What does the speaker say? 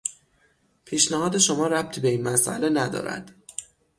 پیشنهاد شما ربطی به این مسئله ندارد.